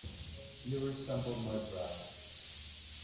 You resemble my brother.